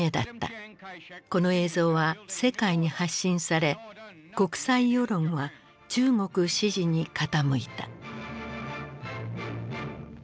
この映像は世界に発信され国際世論は中国支持に傾いた。